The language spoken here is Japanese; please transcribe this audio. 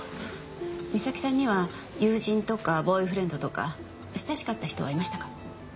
美咲さんには友人とかボーイフレンドとか親しかった人はいましたか？